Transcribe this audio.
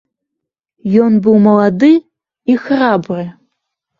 Ён быў малады і храбры.